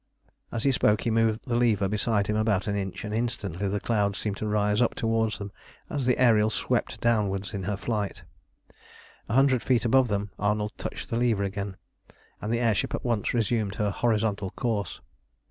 As he spoke he moved the lever beside him about an inch, and instantly the clouds seemed to rise up toward them as the Ariel swept downwards in her flight. A hundred feet above them Arnold touched the lever again, and the air ship at once resumed her horizontal course.